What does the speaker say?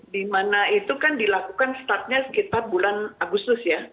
dimana itu kan dilakukan startnya sekitar bulan agustus ya